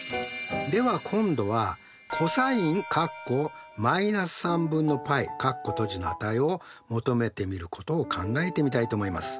では今度はの値を求めてみることを考えてみたいと思います。